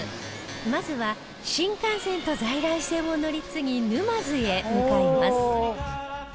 まずは新幹線と在来線を乗り継ぎ沼津へ向かいます